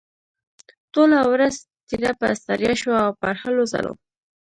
ټوله ورځ تېره پر ستړيا شوه او پر هلو ځلو.